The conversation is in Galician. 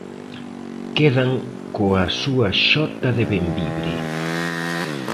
Quedan coa súa xota de Bembibre.